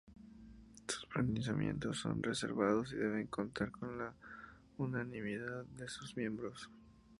Sus pronunciamientos son reservados y deben contar con la unanimidad de sus miembros.